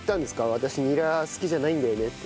私ニラ好きじゃないんだよねって。